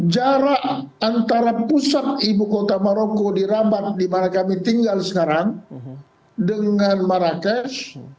jarak antara pusat ibu kota maroko di rambat di mana kami tinggal sekarang dengan marrakesh